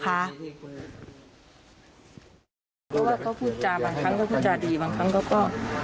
เพราะว่าเขาพูดจาบางครั้งก็พูดจาดีบางครั้งเขาก็